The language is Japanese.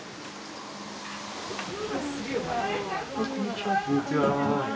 こんにちは。